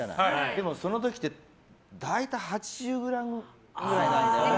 でもその時って大体８０ｇくらいなんだよね。